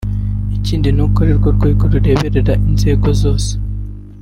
ikindi ni uko ari rwo rwego rureberera inzego zose